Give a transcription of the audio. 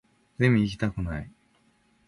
ゼミ行きたくない